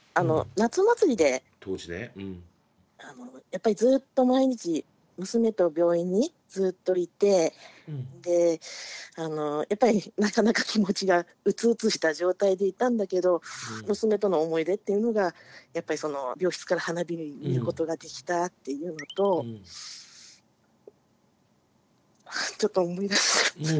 やっぱりずっと毎日娘と病院にずっといてでやっぱりなかなか気持ちが鬱々した状態でいたんだけど娘との思い出っていうのがやっぱりその病室から花火見ることができたっていうのとちょっと思い出しちゃった。